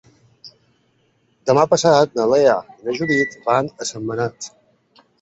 Demà passat na Lea i na Judit van a Sentmenat.